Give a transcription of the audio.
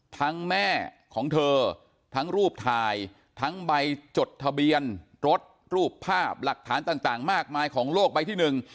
แม่ของเธอทั้งรูปถ่ายทั้งใบจดทะเบียนรถรูปภาพหลักฐานต่างมากมายของโลกใบที่หนึ่ง